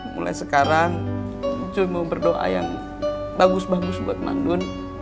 mulai sekarang cuy mau berdoa yang bagus bagus buat madun